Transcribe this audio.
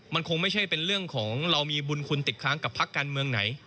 มันคงไม่ใช่เป็นเรื่องของเรามีบุญคุณติดค้างกับพักการเมืองไหน